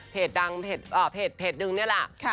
เพจดังเพจดึงเนี่ยแหละ